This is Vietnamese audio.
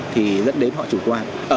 thì dẫn đến họ chủ quan